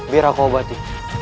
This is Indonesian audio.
biar aku obati